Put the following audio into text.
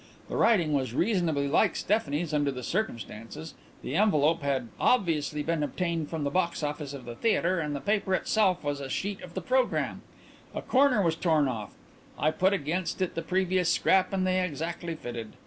The writing was reasonably like Stephanie's under the circumstances, the envelope had obviously been obtained from the box office of the theatre and the paper itself was a sheet of the programme. A corner was torn off; I put against it the previous scrap and they exactly fitted."